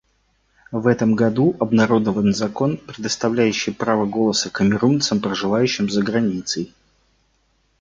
В этом году обнародован закон, предоставляющий право голоса камерунцам, проживающим за границей.